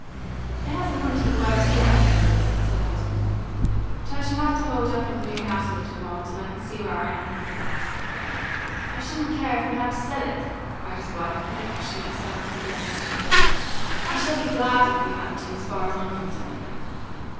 "It hasn't come to the worst yet, Persis," said her husband. "But I shall have to hold up on the new house a little while, till I can see where I am." "I shouldn't care if we had to sell it," cried his wife, in passionate self condemnation. "I should be GLAD if we had to, as far as I'm concerned."